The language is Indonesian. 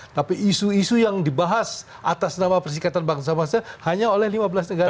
tapi isu isu yang dibahas atas nama persikatan bangsa bangsa hanya oleh lima belas negara